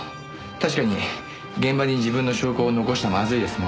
確かに現場に自分の証拠を残しちゃまずいですもんね。